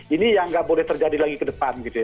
ini yang nggak boleh terjadi lagi ke depan gitu ya